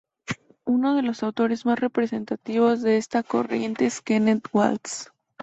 Uno de los autores más representativos de esta corriente es Kenneth Waltz.